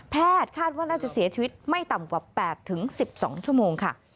คาดว่าน่าจะเสียชีวิตไม่ต่ำกว่า๘๑๒ชั่วโมงค่ะ